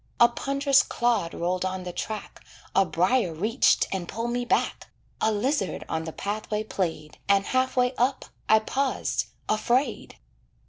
A pond'rous clod rolled on the track, A briar reached and pulled me back, A lizzard on the pathway played, And half way up I paused afraid.